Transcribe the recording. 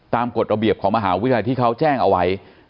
กฎระเบียบของมหาวิทยาลัยที่เขาแจ้งเอาไว้